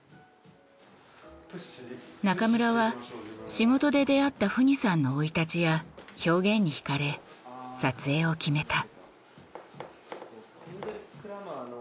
中村は仕事で出会ったＦＵＮＩさんの生い立ちや表現にひかれ撮影を決めた。